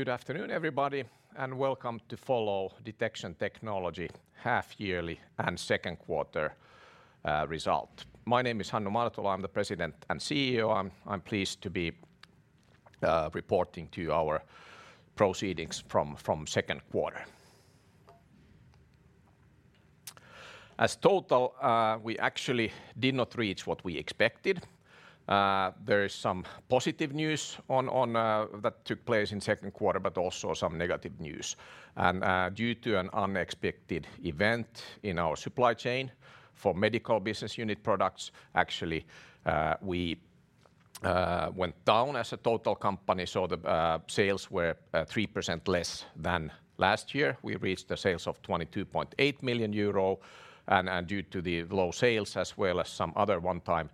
Good afternoon everybody, and welcome to the Detection Technology half-yearly and second quarter results. My name is Hannu Martola, I'm the President and CEO. I'm pleased to be reporting to you our proceedings from second quarter. In total, we actually did not reach what we expected. There is some positive news that took place in second quarter, but also some negative news. Due to an unexpected event in our supply chain for medical business unit products, actually, we went down as a total company. The sales were 3% less than last year. We reached sales of 22.8 million euro and, due to the low sales as well as some other one-time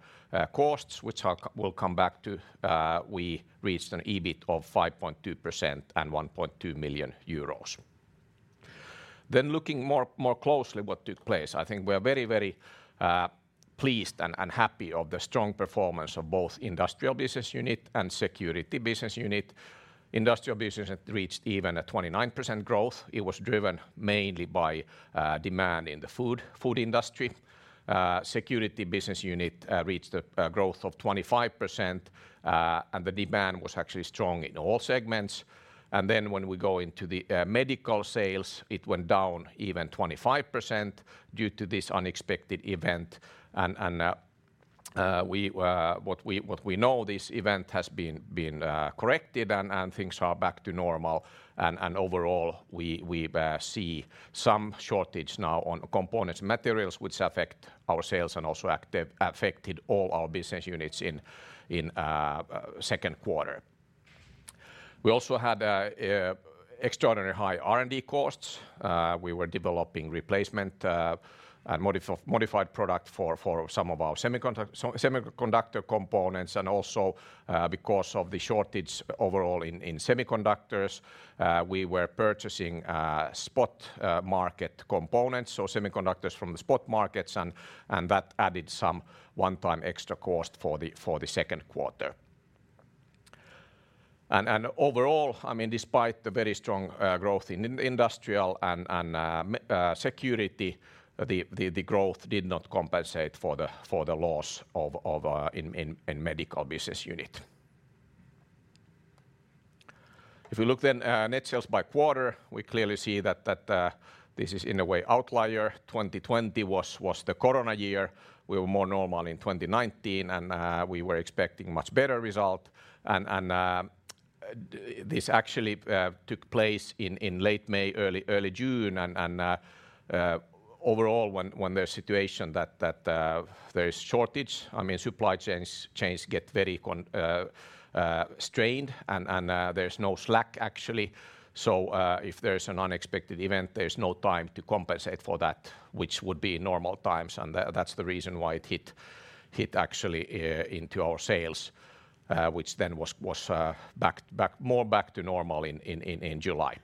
costs which we'll come back to, we reached an EBIT of 5.2% and 1.2 million euros. Looking more closely what took place, I think we're very pleased and happy of the strong performance of both industrial business unit and security business unit. Industrial business it reached even a 29% growth. It was driven mainly by demand in the food industry. Security business unit reached a growth of 25%, and the demand was actually strong in all segments. When we go into the medical sales, it went down even 25% due to this unexpected event. We know this event has been corrected and things are back to normal. Overall we see some shortage now on components and materials which affect our sales and also affected all our business units in second quarter. We also had extraordinary high R&D costs. We were developing replacement and modified product for some of our semiconductor components and also because of the shortage overall in semiconductors, we were purchasing spot market components, semiconductors from the spot markets and that added some one-time extra cost for the second quarter. Overall, I mean despite the very strong growth in industrial and security, the growth did not compensate for the loss in medical business unit. If we look then net sales by quarter, we clearly see that this is in a way outlier. 2020 was the Corona year. We were more normal in 2019 and we were expecting much better result. This actually took place in late May, early June and overall when the situation that there is shortage, I mean, supply chains get very constrained and there's no slack actually. If there's an unexpected event there's no time to compensate for that, which would be normal times. That's the reason why it hit actually into our sales, which then was back more to normal in July.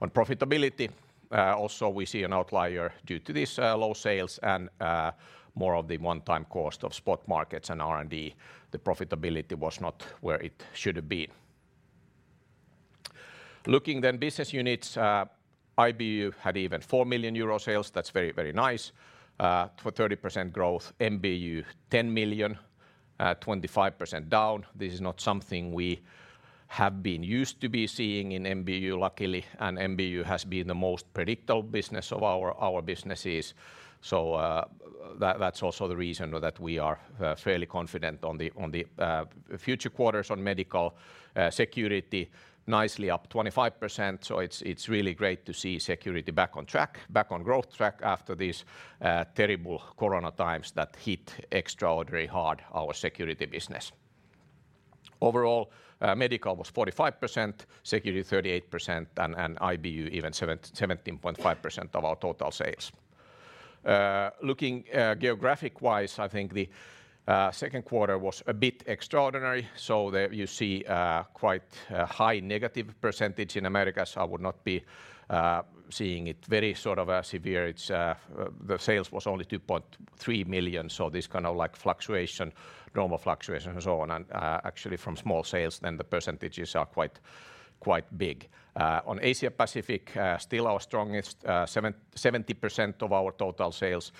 On profitability, also we see an outlier due to this, low sales and more of the one-time cost of spot markets and R&D. The profitability was not where it should have been. Looking then business units, IBU had even 4 million euro sales. That's very, very nice, for 30% growth. MBU, 10 million, 25% down. This is not something we have been used to be seeing in MBU luckily, and MBU has been the most predictable business of our businesses. That's also the reason that we are fairly confident on the future quarters on medical. Security nicely up 25%, it's really great to see security back on track, back on growth track after these terrible corona times that hit extraordinarily hard our security business. Overall, medical was 45%, security 38%, and IBU even 17.5% of our total sales. Looking geographically, I think the second quarter was a bit extraordinary, there you see quite high negative percentage in Americas. I would not be seeing it very sort of severe. It's the sales was only 2.3 million, this kind of like fluctuation, normal fluctuation and so on. Actually from small sales then the percentages are quite big. In Asia Pacific, still our strongest, 70% of our total sales.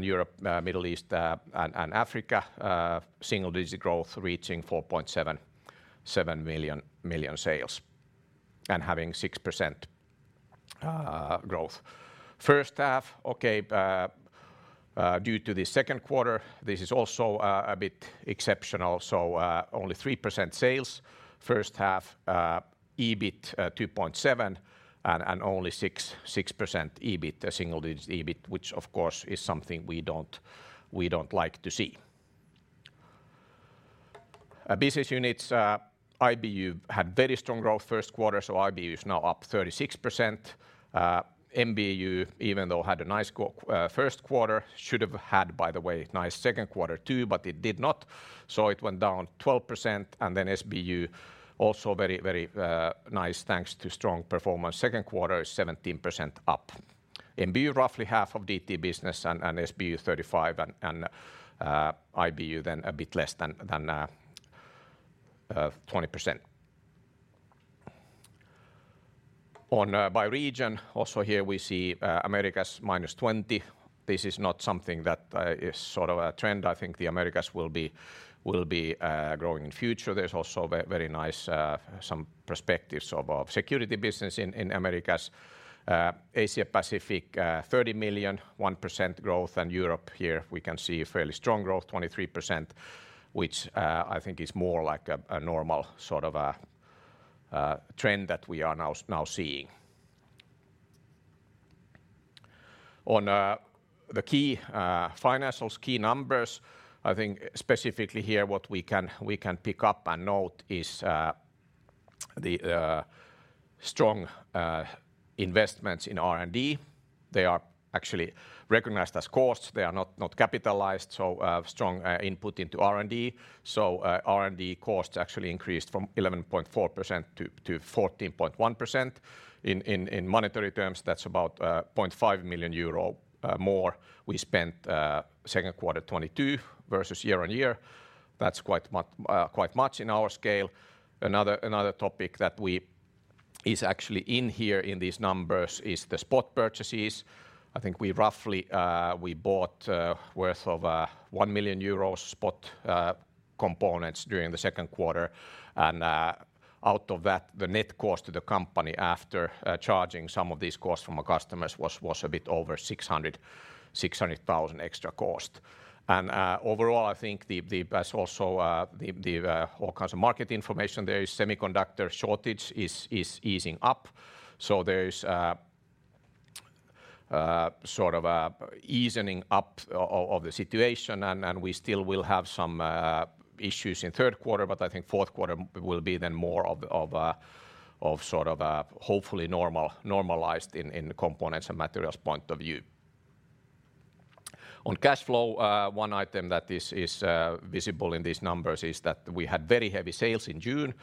Europe, Middle East, and Africa, single-digit growth reaching 4.77 million sales and having 6% growth. First half due to the second quarter, this is also a bit exceptional. Only 3% sales. First half EBIT 2.7 million, and only 6% EBIT. A single-digit EBIT, which of course is something we don't like to see. Business units, IBU had very strong growth first quarter, so IBU is now up 36%. MBU even though had a nice first quarter, should have had, by the way, nice second quarter too, but it did not. It went down 12%. SBU also very nice thanks to strong performance. Second quarter is 17% up. MBU roughly half of DT business, and SBU 35%, and IBU then a bit less than 20%. By region, also here we see Americas -20%. This is not something that is sort of a trend. I think the Americas will be growing in future. There's also very nice some perspectives of security business in Americas. Asia-Pacific 30 million, 1% growth. Europe, here, we can see fairly strong growth, 23%, which I think is more like a normal sort of a trend that we are now seeing. On the key financials, key numbers, I think specifically here what we can pick up and note is the strong investments in R&D. They are actually recognized as costs. They are not capitalized, so strong input into R&D. R&D costs actually increased from 11.4% to 14.1%. In monetary terms, that's about 0.5 million euro more we spent second quarter 2022 versus year-on-year. That's quite much in our scale. Another topic that is actually in here in these numbers is the spot purchases. I think we roughly we bought worth of 1 million euros spot components during the second quarter. Out of that, the net cost to the company after charging some of these costs from our customers was a bit over 600,000 extra cost. Overall, I think the best also the all kinds of market information there is semiconductor shortage is easing up. There's sort of a easing up of the situation and we still will have some issues in third quarter, but I think fourth quarter will be then more of sort of hopefully normalized in components and materials point of view. On cash flow, one item that is visible in these numbers is that we had very heavy sales in June,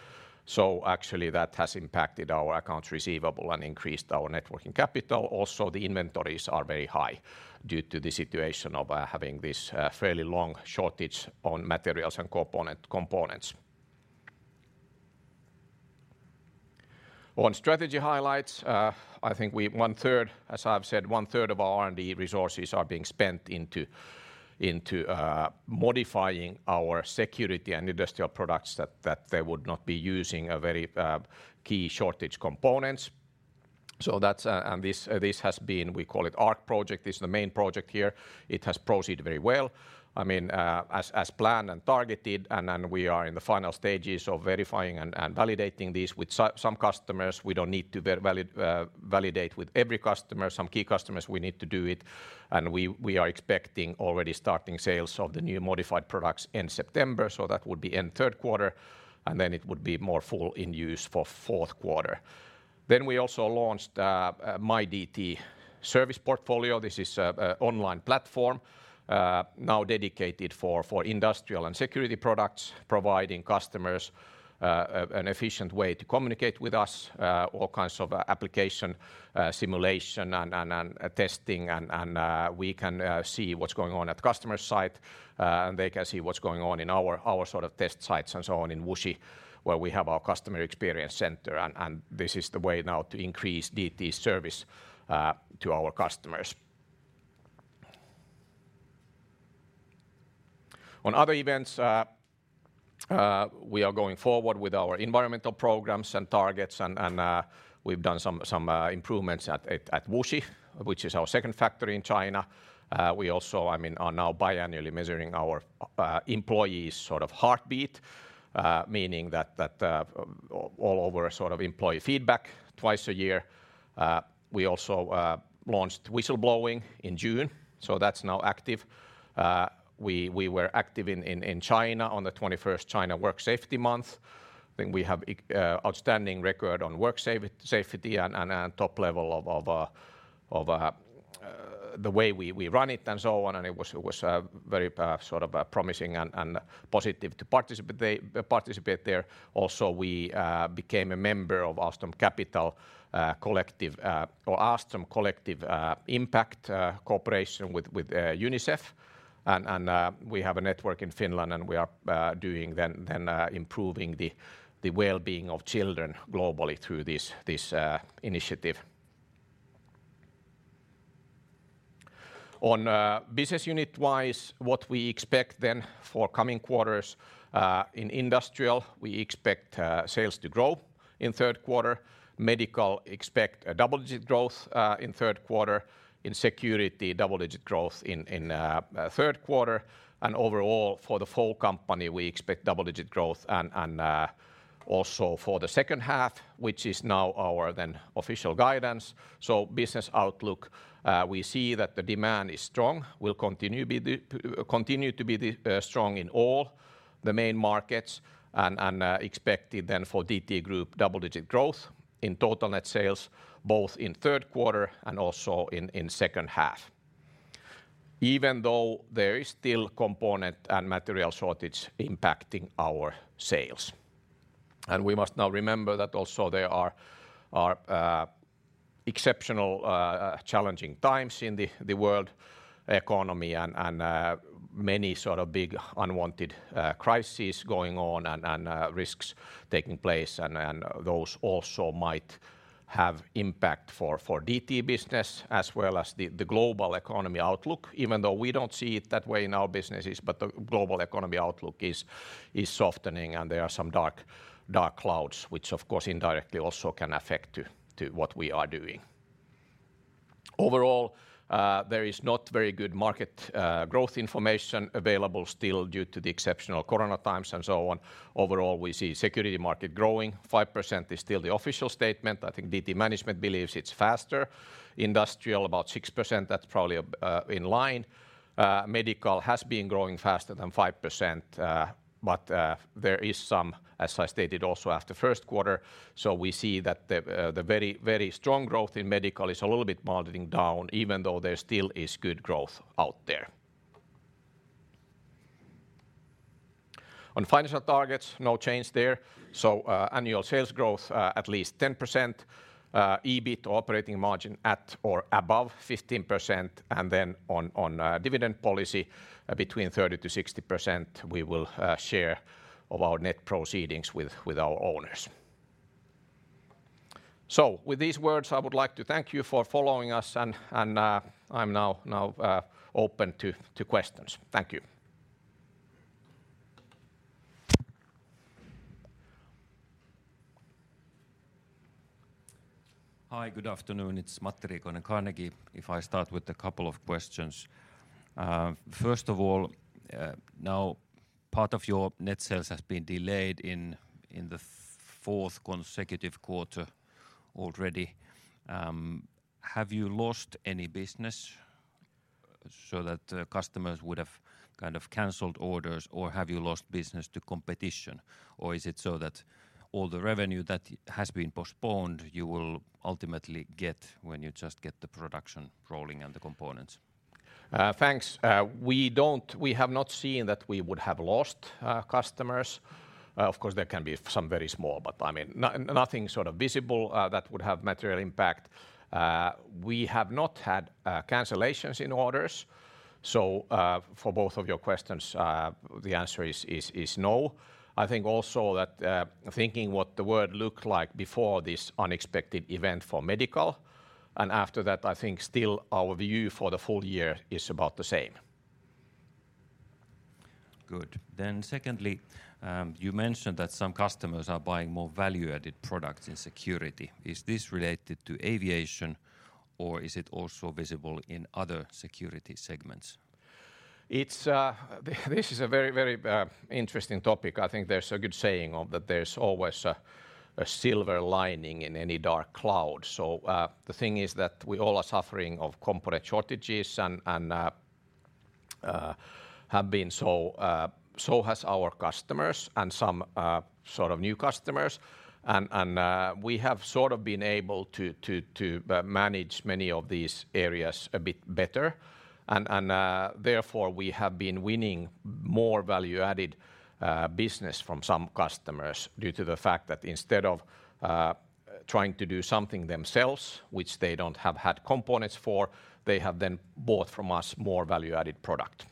so actually that has impacted our accounts receivable and increased our net working capital. Also, the inventories are very high due to the situation of having this fairly long shortage on materials and components. On strategy highlights, I think one third, as I've said, one third of our R&D resources are being spent into modifying our security and industrial products that they would not be using a very key shortage components. So that's, and this has been, we call it ARC project, is the main project here. It has proceeded very well, I mean, as planned and targeted, and then we are in the final stages of verifying and validating these with some customers. We don't need to validate with every customer. Some key customers we need to do it. We are expecting already starting sales of the new modified products in September, so that would be in third quarter, and then it would be more full in use for fourth quarter. We also launched myDT service portfolio. This is an online platform now dedicated for industrial and security products, providing customers an efficient way to communicate with us all kinds of application simulation and testing and we can see what's going on at customer site and they can see what's going on in our sort of test sites and so on in Wuxi, where we have our customer experience center and this is the way now to increase DT service to our customers. On other events we are going forward with our environmental programs and targets and we've done some improvements at Wuxi, which is our second factory in China. We also, I mean, are now biannually measuring our employees' sort of heartbeat, meaning that overall sort of employee feedback twice a year. We also launched whistleblowing in June, so that's now active. We were active in China on the 21st China Work Safety Month. I think we have outstanding record on work safety and top level of the way we run it and so on. It was very sort of promising and positive that they participate there. Also, we became a member of Austin collective Impact cooperation with UNICEF. We have a network in Finland, and we are doing then improving the well-being of children globally through this initiative. On business unit-wise, what we expect then for coming quarters in industrial, we expect sales to grow in third quarter. Medical expect a double-digit growth in third quarter. In security, double-digit growth in third quarter. Overall, for the full company, we expect double-digit growth and also for the second half, which is now our official guidance. Business outlook, we see that the demand is strong, will continue to be strong in all the main markets and expect it then for DT Group double-digit growth in total net sales, both in third quarter and also in second half. Even though there is still component and material shortage impacting our sales. We must now remember that also there are exceptional challenging times in the world economy and many sort of big unwanted crises going on and risks taking place and those also might have impact for DT business as well as the global economy outlook, even though we don't see it that way in our businesses. The global economy outlook is softening and there are some dark clouds which of course indirectly also can affect to what we are doing. Overall, there is not very good market growth information available still due to the exceptional Corona times and so on. Overall, we see security market growing 5% is still the official statement. I think DT management believes it's faster. Industrial about 6%, that's probably in line. Medical has been growing faster than 5%, but there is some, as I stated also after first quarter, so we see that the very strong growth in medical is a little bit moderating down even though there still is good growth out there. On financial targets, no change there. Annual sales growth at least 10%, EBIT operating margin at or above 15%, and then our dividend policy between 30%-60%, we will share of our net profits with our owners. With these words, I would like to thank you for following us and I'm now open to questions. Thank you. Hi, good afternoon. It's Matti Riikonen, Carnegie. If I start with a couple of questions. First of all, now part of your net sales has been delayed in the fourth consecutive quarter already. Have you lost any business so that customers would have kind of canceled orders or have you lost business to competition, or is it so that all the revenue that has been postponed you will ultimately get when you just get the production rolling and the components? Thanks. We have not seen that we would have lost customers. Of course, there can be some very small, but I mean, nothing sort of visible that would have material impact. We have not had cancellations in orders. For both of your questions, the answer is no. I think also that thinking what the world looked like before this unexpected event for medical and after that, I think still our view for the full-year is about the same. Good. Secondly, you mentioned that some customers are buying more value-added products in security. Is this related to aviation or is it also visible in other security segments? This is a very interesting topic. I think there's a good saying that there's always a silver lining in any dark cloud. The thing is that we all are suffering from component shortages and have been so has our customers and some sort of new customers. We have sort of been able to manage many of these areas a bit better. Therefore, we have been winning more value-added business from some customers due to the fact that instead of trying to do something themselves, which they haven't had components for, they have then bought from us more value-added product.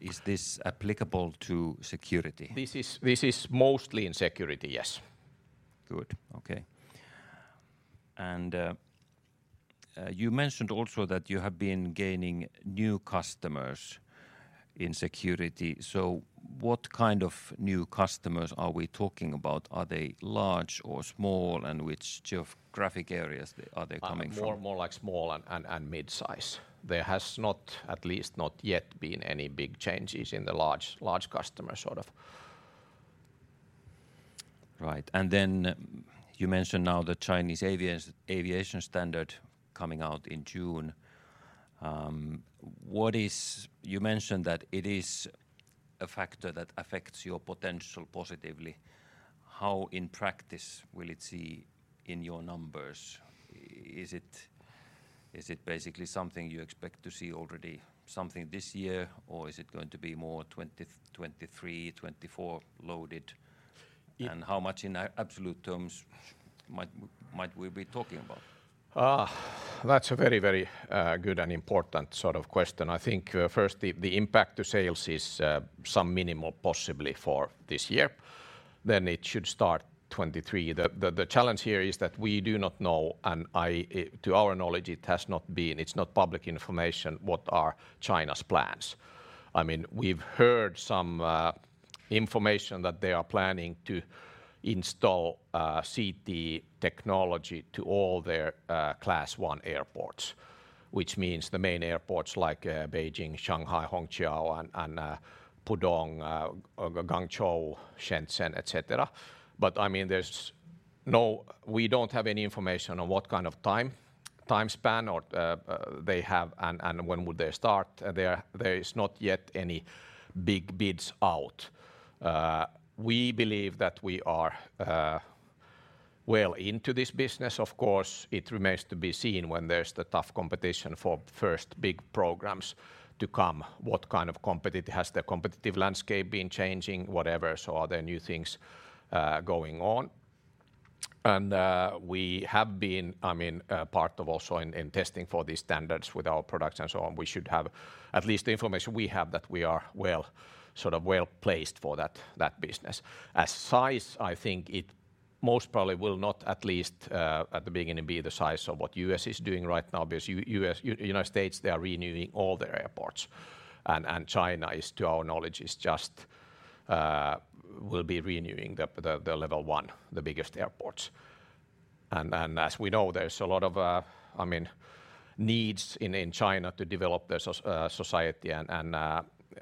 Is this applicable to security? This is mostly in security, yes. Good. Okay. You mentioned also that you have been gaining new customers in security. What kind of new customers are we talking about? Are they large or small, and which geographic areas are they coming from? More like small and mid-size. There has not, at least not yet, been any big changes in the large customer sort of. Right. You mentioned now the Chinese aviation standard coming out in June. What is it? You mentioned that it is a factor that affects your potential positively. How in practice will it show in your numbers? Is it basically something you expect to see already something this year, or is it going to be more 2023, 2024 loaded? Yeah. How much in absolute terms might we be talking about? That's a very good and important sort of question. I think first, the impact to sales is some minimal possibly for this year. Then it should start 2023. The challenge here is that we do not know, and to our knowledge, it has not been, it's not public information what are China's plans. I mean, we've heard some information that they are planning to install CT technology to all their class one airports, which means the main airports like Beijing, Shanghai, Hongqiao and Pudong, Guangzhou, Shenzhen, etc. But I mean, we don't have any information on what kind of time span or they have and when would they start. There is not yet any big bids out. We believe that we are well into this business, of course, it remains to be seen when there's the tough competition for first big programs to come, what kind of competition has the competitive landscape been changing, whatever. Are there new things going on? We have been, I mean, part of also in testing for these standards with our products and so on, we should have at least the information we have that we are well, sort of well-placed for that business. As size, I think it most probably will not at least at the beginning be the size of what U.S. Is doing right now because United States, they are renewing all their airports. China is, to our knowledge, is just will be renewing the level one, the biggest airports. As we know, there's a lot of, I mean, needs in China to develop their society and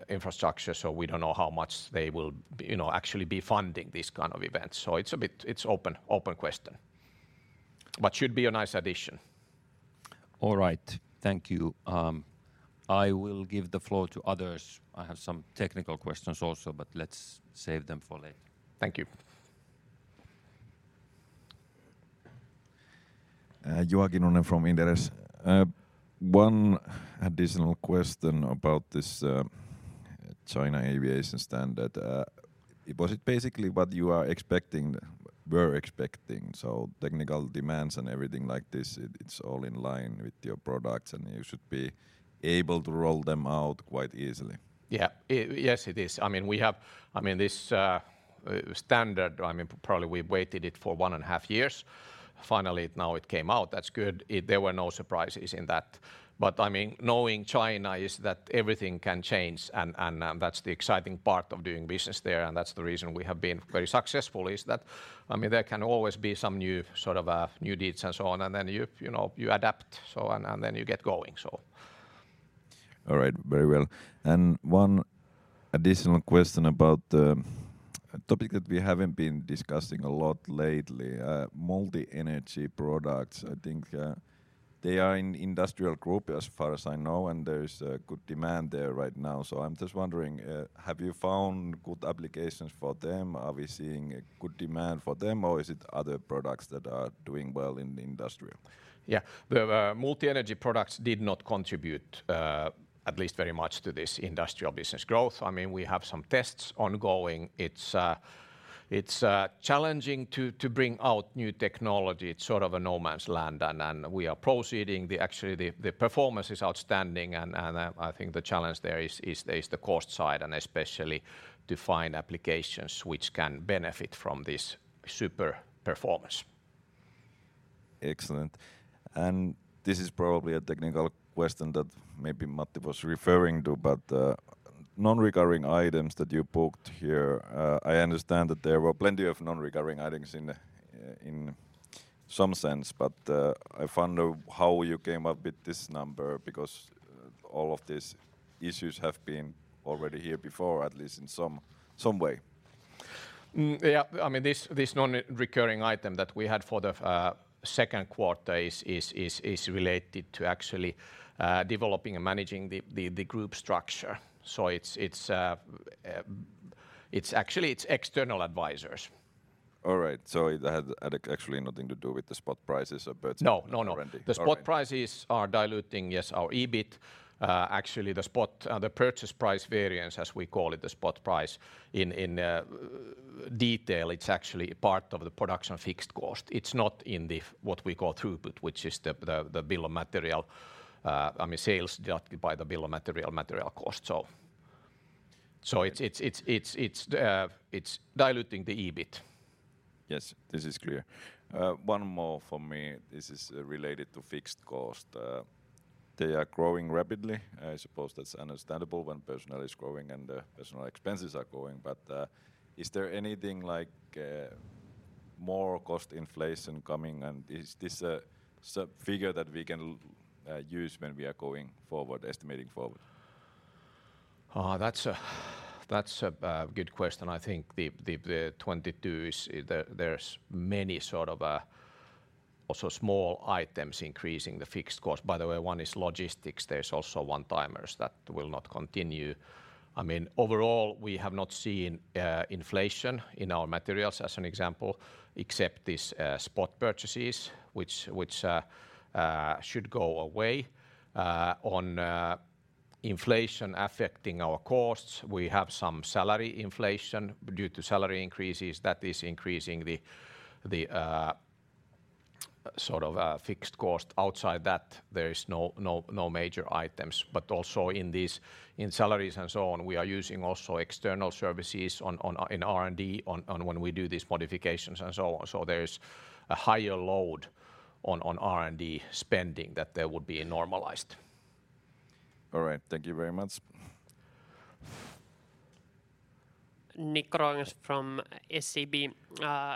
infrastructure, so we don't know how much they will, you know, actually be funding these kind of events. It's open question, but should be a nice addition. All right. Thank you. I will give the floor to others. I have some technical questions also, but let's save them for later. Thank you. Juha Kinnunen from Inderes. One additional question about this China aviation standard. Was it basically what you are expecting, were expecting? Technical demands and everything like this, it's all in line with your products, and you should be able to roll them out quite easily. Yes, it is. I mean, this standard, I mean, probably we've waited for it for 1.5 years. Finally, now it came out. That's good. There were no surprises in that. I mean, knowing China is that everything can change and, that's the exciting part of doing business there and that's the reason we have been very successful is that, I mean, there can always be some new sort of new deeds and so on, and then you know, you adapt so on and then you get going so. All right. Very well. One additional question about a topic that we haven't been discussing a lot lately, multi-energy products. I think they are in industrial group as far as I know, and there's a good demand there right now. I'm just wondering, have you found good applications for them? Are we seeing a good demand for them, or is it other products that are doing well in the industrial? Yeah. The multi-energy products did not contribute, at least very much, to this industrial business growth. I mean, we have some tests ongoing. It's challenging to bring out new technology. It's sort of a no man's land and we are proceeding. Actually, the performance is outstanding and I think the challenge there is the cost side and especially to find applications which can benefit from this super performance. Excellent. This is probably a technical question that maybe Matti was referring to, but the non-recurring items that you booked here. I understand that there were plenty of non-recurring items in some sense, but I wonder how you came up with this number because all of these issues have been already here before, at least in some way. I mean, this non-recurring item that we had for the second quarter is related to actually developing and managing the group structure. So it's actually external advisors. All right. It had actually nothing to do with the spot prices of purchasing- No, no. already. All right. The spot prices are diluting, yes, our EBIT. Actually the spot, the purchase price variance, as we call it, the spot price in detail, it's actually part of the production fixed cost. It's not in what we call throughput, which is the bill of material. I mean, sales divided by the bill of material cost. It's diluting the EBIT. Yes. This is clear. One more for me. This is related to fixed cost. They are growing rapidly. I suppose that's understandable when personnel is growing and personal expenses are growing. Is there anything like more cost inflation coming? Is this a figure that we can use when we are going forward, estimating forward? That's a good question. I think the 2022 is. There are many sort of also small items increasing the fixed cost. By the way, one is logistics. There's also one-timers that will not continue. I mean, overall, we have not seen inflation in our materials as an example, except this spot purchases which should go away. On inflation affecting our costs, we have some salary inflation due to salary increases that is increasing the sort of fixed cost. Outside that, there is no major items. Also in these salaries and so on, we are using also external services in R&D when we do these modifications and so on. There is a higher load on R&D spending that there would be in normalized. All right. Thank you very much. Niklas Råilo from SEB.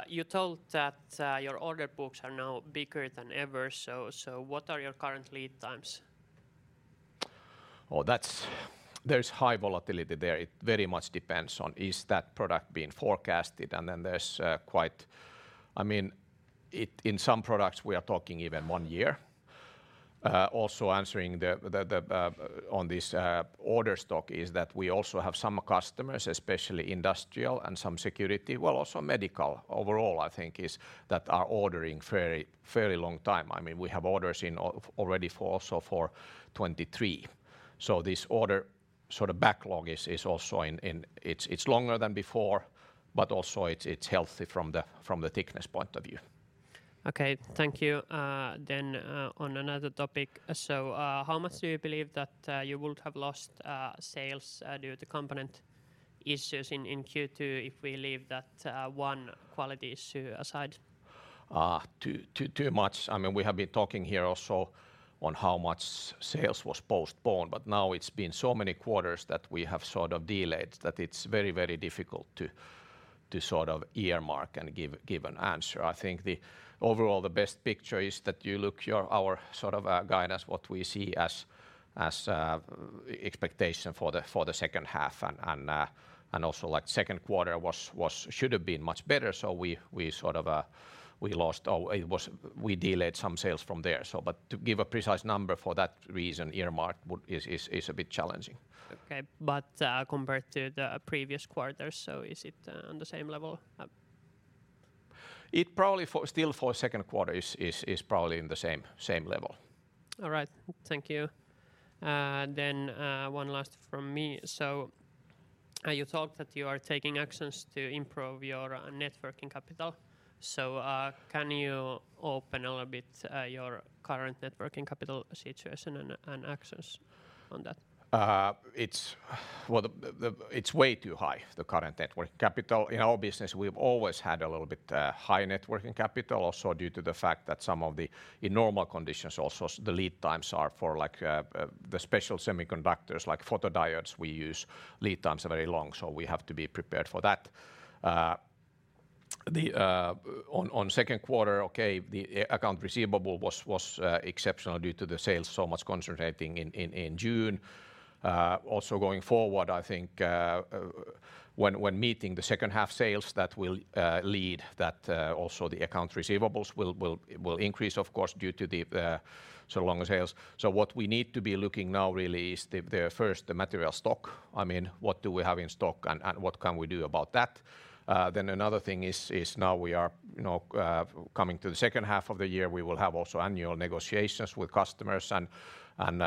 You told that your order books are now bigger than ever. What are your current lead times? There's high volatility there. It very much depends on which product is being forecasted, and then there's, I mean, in some products, we are talking even one year. Also answering the question on this order book is that we also have some customers, especially industrial and some security, also medical overall I think, that are ordering very, fairly long time. I mean, we have orders already for 2023. So this order backlog is also longer than before, but also it's healthy from the business point of view. Okay. Thank you. On another topic. How much do you believe that you would have lost sales due to component issues in Q2 if we leave that one quality issue aside? Too much. I mean, we have been talking here also on how much sales was postponed, but now it's been so many quarters that we have sort of delayed that it's very, very difficult to sort of earmark and give an answer. I think overall, the best picture is that our sort of guidance, what we see as expectation for the second half, and also like second quarter should have been much better, so we sort of delayed some sales from there. But to give a precise number for that reason, earmark is a bit challenging. Compared to the previous quarters, so is it on the same level up? It probably still for second quarter is probably in the same level. All right. Thank you. One last from me. You talked that you are taking actions to improve your working capital. Can you open a little bit your current working capital situation and actions on that? Well, it's way too high, the current net working capital. In our business, we've always had a little bit high net working capital also due to the fact that in normal conditions also, the lead times are for like the special semiconductors like photodiodes we use, lead times are very long, so we have to be prepared for that. On second quarter, okay, the accounts receivable was exceptional due to the sales so much concentrating in June. Also going forward, I think, when meeting the second half sales, that will lead that also the accounts receivable will increase of course due to the strong sales. What we need to be looking now really is the material stock. I mean, what do we have in stock and what can we do about that? Another thing is now we are, you know, coming to the second half of the year. We will have also annual negotiations with customers and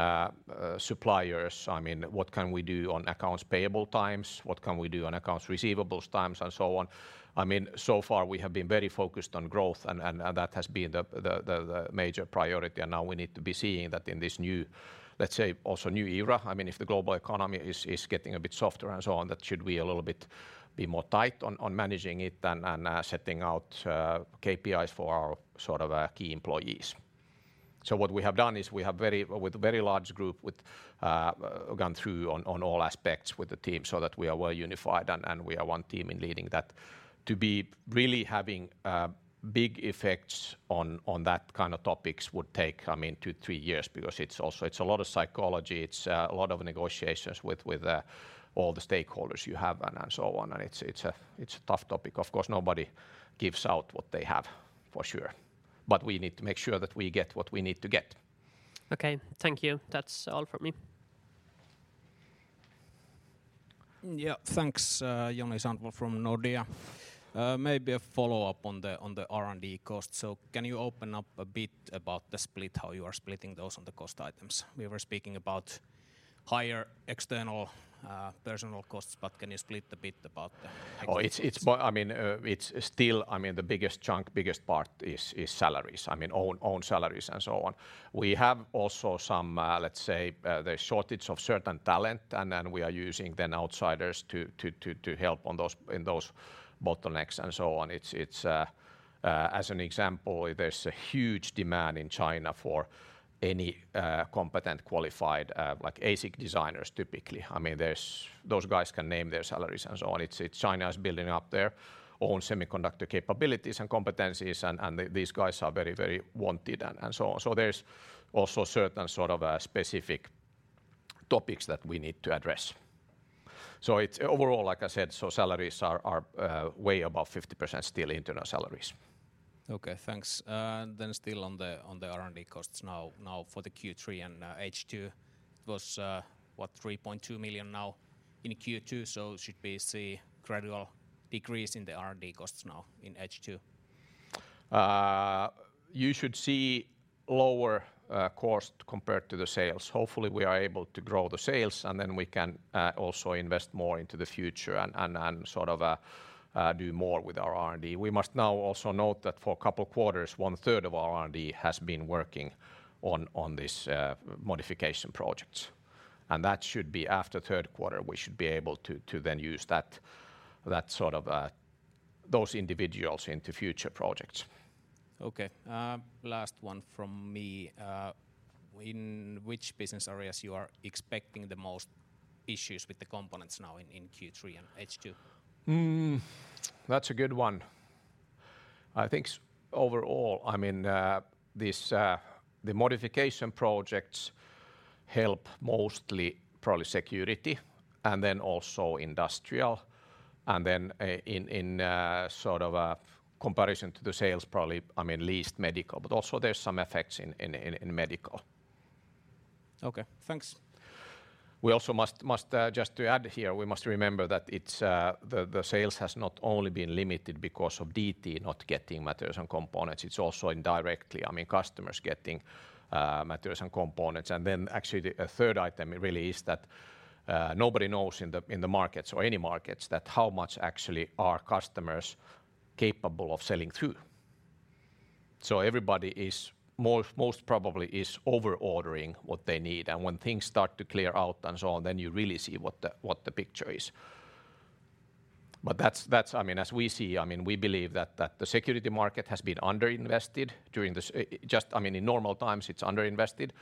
suppliers. I mean, what can we do on accounts payable terms? What can we do on accounts receivables terms and so on? I mean, so far we have been very focused on growth and that has been the major priority, and now we need to be seeing that in this new, let's say, also new era. I mean, if the global economy is getting a bit softer and so on, should we a little bit be more tight on managing it than setting out KPIs for our sort of key employees. What we have done is we have with a very large group gone through on all aspects with the team so that we are well unified and we are one team in leading that. To be really having big effects on that kind of topics would take, I mean, two, three years because it's also a lot of psychology. It's a lot of negotiations with all the stakeholders you have and so on, and it's a tough topic. Of course, nobody gives out what they have, for sure. We need to make sure that we get what we need to get. Okay. Thank you. That's all from me. Yeah. Thanks. Joni Sandvall from Nordea. Maybe a follow-up on the R&D cost. Can you open up a bit about the split, how you are splitting those on the cost items? We were speaking about higher external personal costs, but can you split a bit about the I mean, it's still, I mean, the biggest chunk, biggest part is salaries. I mean, own salaries and so on. We have also some, let's say, the shortage of certain talent, and then we are using then outsiders to help on those, in those bottlenecks and so on. As an example, there's a huge demand in China for any competent, qualified, like ASIC designers typically. I mean, there's. Those guys can name their salaries and so on. China is building up their own semiconductor capabilities and competencies, and these guys are very wanted and so on. There's also certain sort of specific topics that we need to address. It's overall, like I said, salaries are way above 50% still internal salaries. Still on the R&D costs now for Q3 and H2, it was 3.2 million in Q2, so should we see gradual decrease in the R&D costs now in H2? You should see lower cost compared to the sales. Hopefully, we are able to grow the sales, and then we can also invest more into the future and sort of do more with our R&D. We must now also note that for a couple quarters, 1/3 of our R&D has been working on this modification projects, and that should be after third quarter. We should be able to then use that sort of those individuals into future projects. Okay. Last one from me. In which business areas are you expecting the most issues with the components now in Q3 and H2? That's a good one. I think overall, I mean, the modification projects help mostly probably security and then also industrial, and then in sort of a comparison to the sales, probably, I mean, least medical, but also there's some effects in medical. Okay. Thanks. We must just to add here, we must remember that it's the sales has not only been limited because of DT not getting materials and components. It's also indirectly, I mean, customers getting materials and components. A third item really is that nobody knows in the markets or any markets that how much actually are customers capable of selling through. Everybody is most probably over-ordering what they need and when things start to clear out and so on, then you really see what the picture is. But that's. I mean, as we see, I mean, we believe that the security market has been under-invested during this, just, I mean, in normal times it's under-invested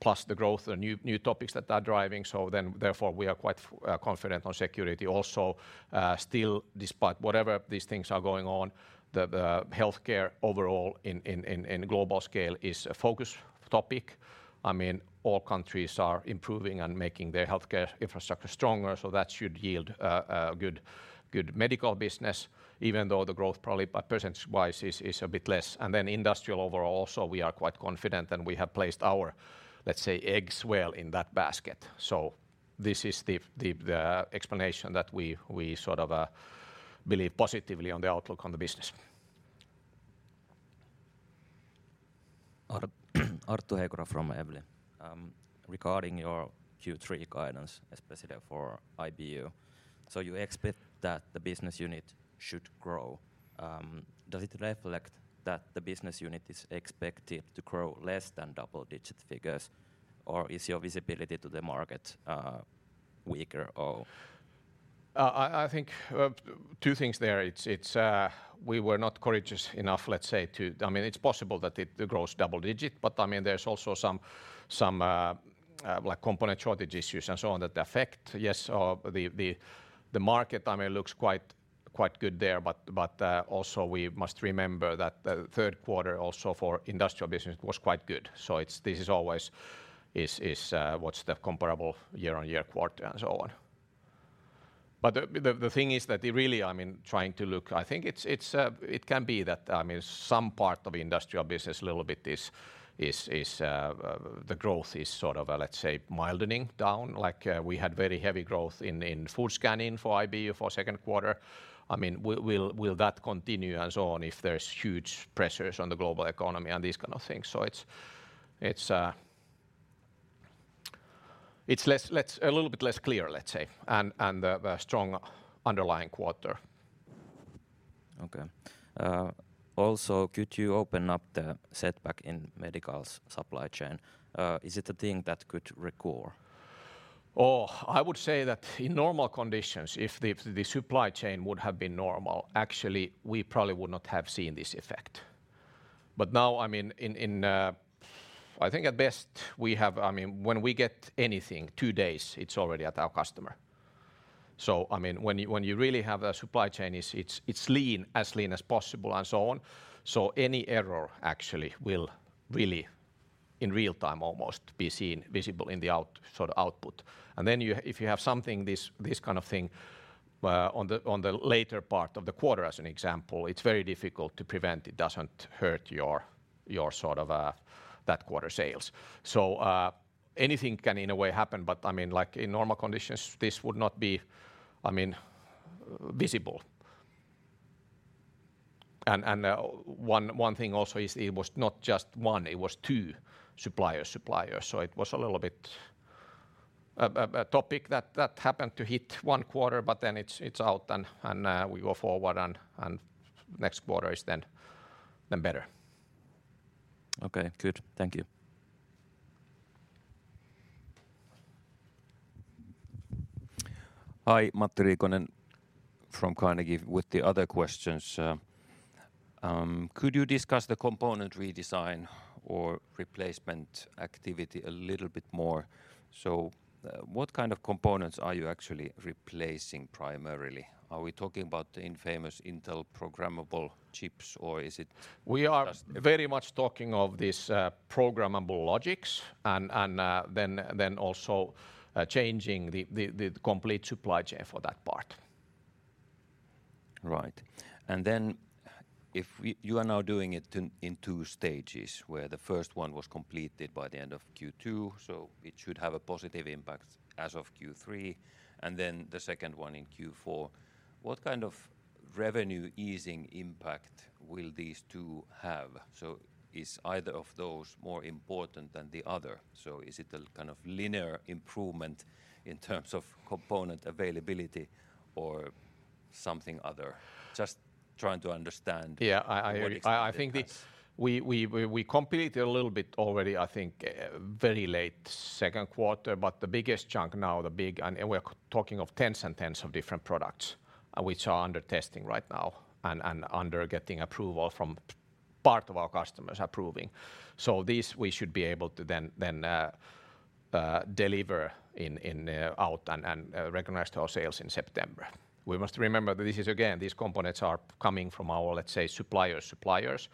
plus the growth of new topics that are driving, so therefore we are quite confident on security also, still despite whatever these things are going on, the healthcare overall in global scale is a focus topic. I mean, all countries are improving and making their healthcare infrastructure stronger, so that should yield a good medical business even though the growth probably by percentage-wise is a bit less. Industrial overall also we are quite confident and we have placed our, let's say, eggs well in that basket. This is the explanation that we sort of believe positively on the outlook on the business. [Arttu Heikkilä] from Evli. Regarding your Q3 guidance, especially for IBU, you expect that the business unit should grow. Does it reflect that the business unit is expected to grow less than double-digit figures or is your visibility to the market weaker or? I think two things there. We were not courageous enough, let's say. I mean, it's possible that it grows double-digit, but I mean, there's also some like component shortage issues and so on that affect, yes, the market. I mean, it looks quite good there, but also we must remember that the third quarter also for industrial business was quite good. This is always what's the comparable year-on-year quarter and so on. The thing is that it really, I mean, trying to look, I think it can be that, I mean, some part of industrial business a little bit is the growth is sort of, let's say, mellowing down. Like, we had very heavy growth in food scanning for IBU for second quarter. I mean, will that continue and so on if there's huge pressures on the global economy and these kind of things? It's a little bit less clear, let's say, and the strong underlying quarter. Okay. Also could you open up the setback in medical's supply chain? Is it a thing that could recur? I would say that in normal conditions, if the supply chain would have been normal, actually we probably would not have seen this effect. But now, I mean, in, I think at best we have, I mean, when we get anything, two days, it's already at our customer. I mean, when you really have a supply chain, it's lean, as lean as possible and so on. Any error actually will really in real time almost be seen, visible in the sort of output. Then if you have something this kind of thing, on the later part of the quarter as an example, it's very difficult to prevent it doesn't hurt your sort of that quarter sales. Anything can in a way happen, but I mean, like in normal conditions this would not be, I mean, visible. One thing also is it was not just one, it was two supplier. It was a little bit a topic that happened to hit one quarter, but then it's out and we go forward and next quarter is then better. Okay. Good. Thank you. Hi. Matti Riikonen from Carnegie with the other questions. Could you discuss the component redesign or replacement activity a little bit more? What kind of components are you actually replacing primarily? Are we talking about the infamous Intel programmable chips? We are very much talking of this programmable logic and then also changing the complete supply chain for that part. Right. You are now doing it in two stages, where the first one was completed by the end of Q2, so it should have a positive impact as of Q3, and then the second one in Q4. What kind of revenue easing impact will these two have? Is either of those more important than the other? Is it a kind of linear improvement in terms of component availability or something other? Just trying to understand. Yeah. What exactly that is. I think we completed a little bit already, I think, very late second quarter, but the biggest chunk now. We're talking of tens and tens of different products, which are under testing right now and under getting approval from part of our customers approving. This we should be able to then deliver and recognized our sales in September. We must remember that this is, again, these components are coming from our, let's say, supplier's suppliers.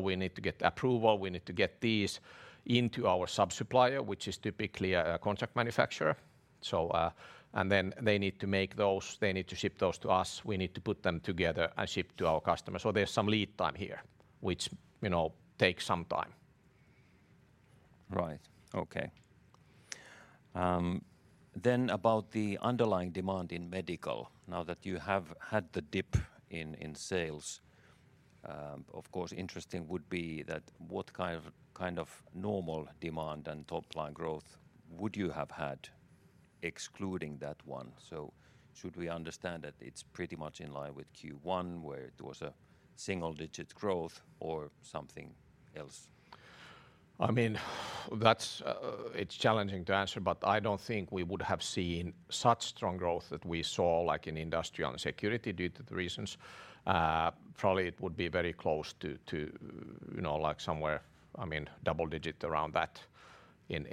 We need to get approval. We need to get these into our sub-supplier, which is typically a contract manufacturer. Then they need to make those. They need to ship those to us. We need to put them together and ship to our customers. There's some lead time here, which, you know, takes some time. Right. Okay. about the underlying demand in medical, now that you have had the dip in sales, of course interesting would be that what kind of normal demand and top-line growth would you have had excluding that one? Should we understand that it's pretty much in line with Q1, where it was a single-digit growth or something else? I mean, that's, it's challenging to answer, but I don't think we would have seen such strong growth that we saw like in industrial and security due to the reasons. Probably it would be very close to, you know, like somewhere, I mean, double digit around that in.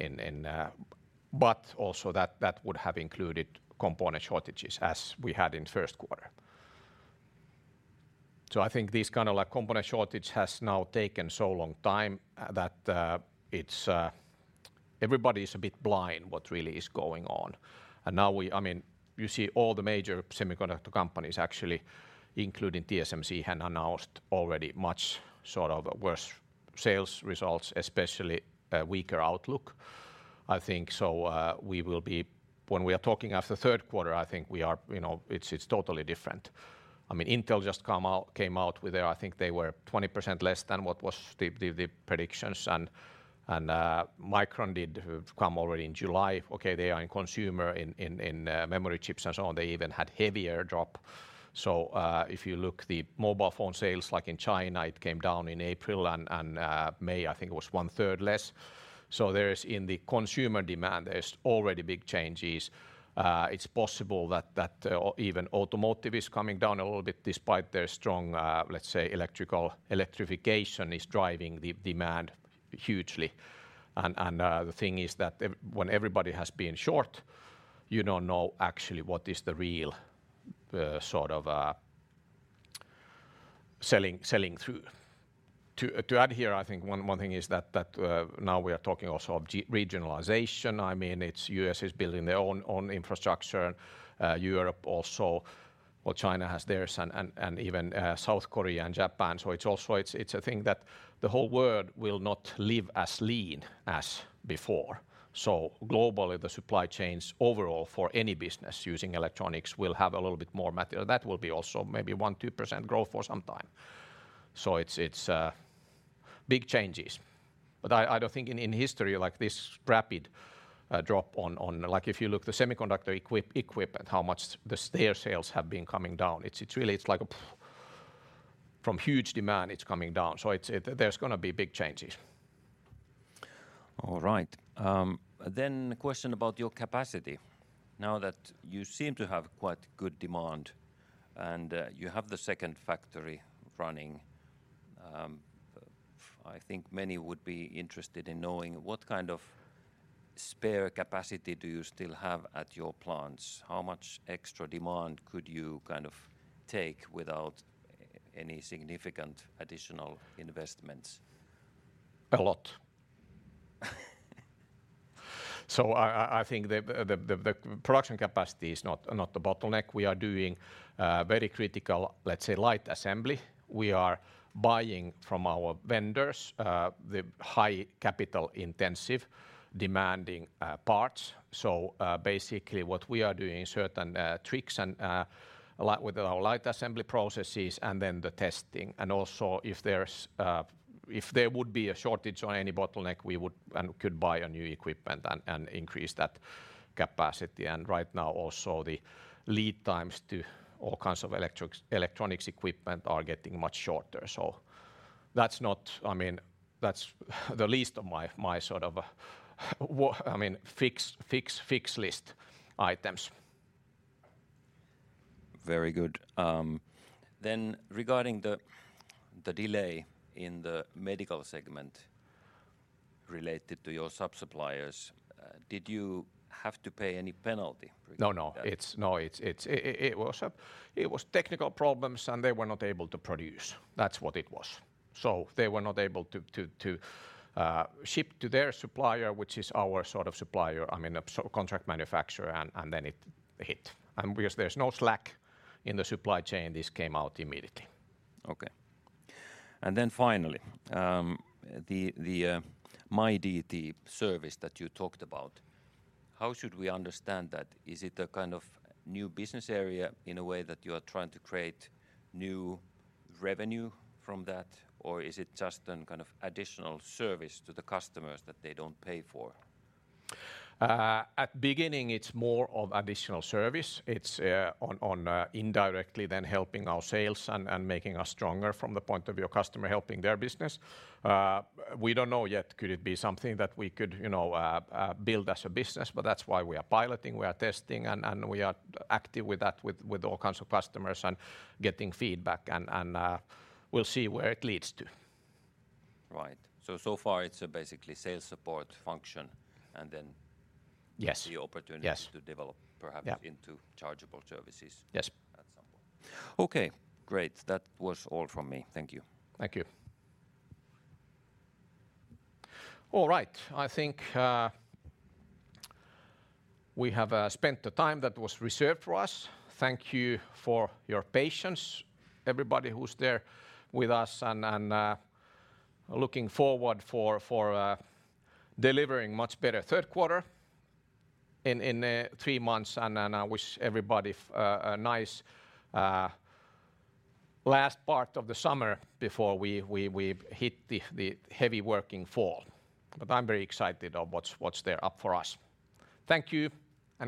But also that would have included component shortages as we had in first quarter. I think this kind of like component shortage has now taken so long time, that it's everybody's a bit blind what really is going on. I mean, you see all the major semiconductor companies actually, including TSMC, have announced already much sort of worse sales results, especially, weaker outlook. I think so, we will be. When we are talking after third quarter, I think we are, you know, it's totally different. I mean, Intel just came out with their. I think they were 20% less than what was the predictions. Micron did come already in July. Okay, they are in consumer memory chips and so on. They even had heavier drop. If you look at the mobile phone sales like in China, it came down in April and May. I think it was 1/3 less. There is in the consumer demand. There's already big changes. It's possible that even automotive is coming down a little bit despite their strong, let's say, electrification is driving the demand hugely. The thing is that even when everybody has been short, you don't know actually what is the real sort of selling through. To add here, I think one thing is that now we are talking also of geo-regionalization. I mean, it's the U.S. is building their own infrastructure, Europe also or China has theirs and even South Korea and Japan. It's also a thing that the whole world will not live as lean as before. Globally, the supply chains overall for any business using electronics will have a little bit more material. That will be also maybe 1%-2% growth for some time. It's big changes. I don't think in history like this rapid drop in. Like if you look at the semiconductor equipment, how much their sales have been coming down, it's really like pfft, from huge demand, it's coming down. It's. There's gonna be big changes. All right. A question about your capacity. Now that you seem to have quite good demand and, you have the second factory running, I think many would be interested in knowing what kind of spare capacity do you still have at your plants? How much extra demand could you kind of take without any significant additional investments? A lot. I think the production capacity is not the bottleneck. We are doing very critical, let's say, light assembly. We are buying from our vendors the high capital intensive demanding parts. Basically what we are doing is certain tricks and a lot with our light assembly processes and then the testing. Also, if there would be a shortage on any bottleneck, we would and could buy a new equipment and increase that capacity. Right now also the lead times to all kinds of electronics equipment are getting much shorter. That's not, I mean, that's the least of my sort of, I mean, fix list items. Very good. Regarding the delay in the medical segment related to your sub-suppliers, did you have to pay any penalty regarding that? It was technical problems, and they were not able to produce. That's what it was. They were not able to ship to their supplier, which is our sort of supplier, I mean, a contract manufacturer, and then it hit. Because there's no slack in the supply chain, this came out immediately. Okay. Finally, the myDT service that you talked about, how should we understand that? Is it a kind of new business area in a way that you are trying to create new revenue from that, or is it just a kind of additional service to the customers that they don't pay for? At beginning, it's more of additional service. It's on indirectly then helping our sales and making us stronger from the point of view of customer helping their business. We don't know yet could it be something that we could, you know, build as a business, but that's why we are piloting, we are testing, and we are active with that with all kinds of customers and getting feedback and, we'll see where it leads to. Right. So far, it's basically a sales support function and then Yes the opportunity Yes to develop perhaps. Yeah. into chargeable services. Yes. at some point. Okay. Great. That was all from me. Thank you. Thank you. All right. I think we have spent the time that was reserved for us. Thank you for your patience, everybody who's there with us and looking forward for delivering much better third quarter in three months. I wish everybody a nice last part of the summer before we hit the heavy working fall. I'm very excited of what's there up for us. Thank you.